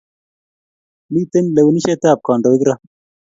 Miten lewenisheab kandoik raa